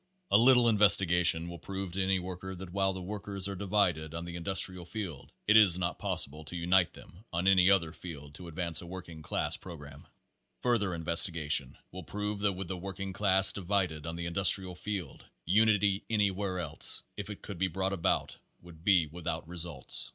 '* A little investigation will prove to any worker that while the workers are divided on the industrial field it is not possible to unite them on any other field to ad vance a working class program. Further investigation will prove that with the work ing class divided on the industrial field, unity anywhere else if it could be brought about would be without results.